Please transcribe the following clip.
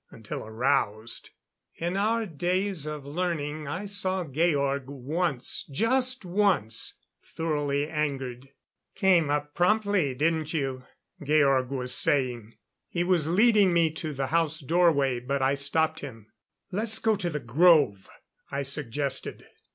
Until aroused. In our days of learning, I saw Georg once just once thoroughly angered. "... Came up promptly, didn't you?" Georg was saying. He was leading me to the house doorway, but I stopped him. "Let's go to the grove," I suggested.